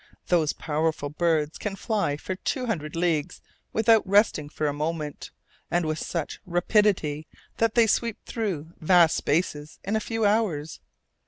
Those powerful birds can fly for two hundred leagues without resting for a moment, and with such rapidity that they sweep through vast spaces in a few hours.